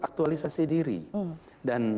aktualisasi diri dan